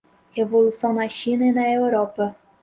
Revolução na China e na Europa